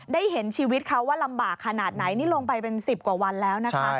ได้เห็นชีวิตเขาว่าลำบากขนาดไหนนี่ลงไปเป็น๑๐กว่าวันแล้วนะคะ